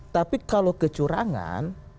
tapi kalau kecurangan